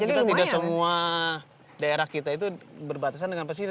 karena memang kita tidak semua daerah kita itu berbatasan dengan pesisir